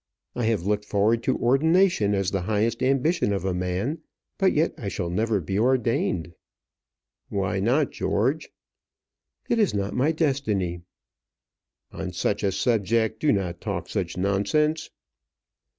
I have looked forward to ordination as the highest ambition of a man, but yet I shall never be ordained." "Why not, George?" "It is not my destiny." "On such a subject, do not talk such nonsense."